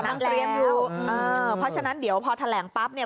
กำลังเตรียมดูเพราะฉะนั้นเดี๋ยวพอแถลงปั๊บเนี่ย